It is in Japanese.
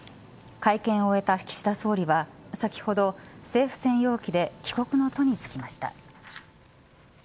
会見を終えた岸田総理は先ほど政府専用機で帰国の途に就きました。